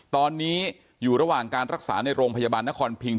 ตอนนี้อยู่ระหว่างการรักษาในโรงพยาบาลนครพิง